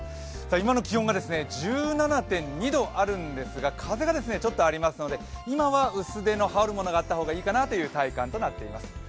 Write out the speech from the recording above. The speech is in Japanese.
今の気温が１７．２度あるんですが風がちょっとありますので今は薄手の羽織るものがあった方がいいかなという体感になっています。